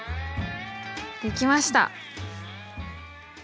できました。